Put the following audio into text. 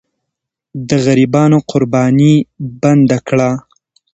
د غریبانو قرباني بنده کړه.